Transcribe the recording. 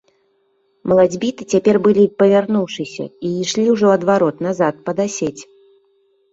Малацьбіты цяпер былі павярнуўшыся і ішлі ўжо ад варот, назад пад асець.